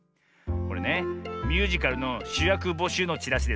これねミュージカルのしゅやくぼしゅうのチラシでさ